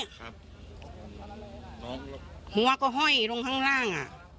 หัวก็ห้อยลงข้างล่างอ่ะ